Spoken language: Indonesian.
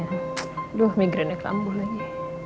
aduh migrainek lambuh lagi